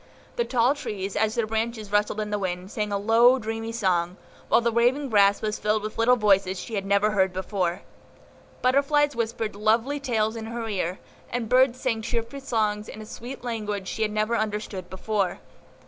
The tall trees, as their branches rustled in the wind, sang a low, dreamy song, while the waving grass was filled with little voices she had never heard before. Butterflies whispered lovely tales in her ear, and birds sang cheerful songs in a sweet language she had never understood before.